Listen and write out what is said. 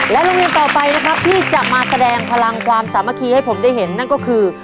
โรงเรียนต่อไปนะครับที่จะมาแสดงพลังความสามัคคีให้ผมได้เห็นนั่นก็คือ